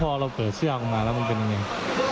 ก็แค่สงสัยว่าทำไมหลานได้ไซส์ใหญ่จังเลย